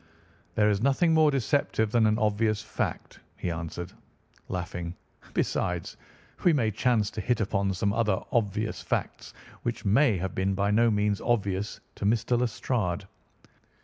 "There is nothing more deceptive than an obvious fact," he answered, laughing. "Besides, we may chance to hit upon some other obvious facts which may have been by no means obvious to Mr. Lestrade.